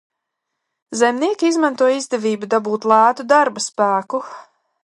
Zemnieki izmantoja izdevību dabūt lētu darbaspēku.